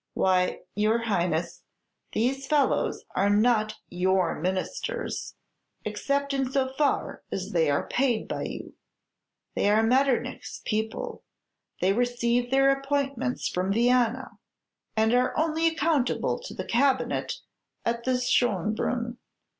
Why, your Highness, these fellows are not your Ministers, except in so far as they are paid by you. They are Metternich's people; they receive their appointments from Vienna, and are only accountable to the cabinet held at Schönbrunn.